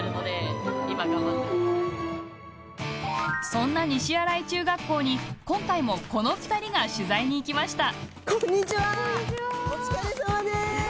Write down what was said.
そんな西新井中学校に今回もこの２人が取材に行きました。